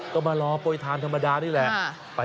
ก็มารอโปรยทานธรรมดานี่แหละ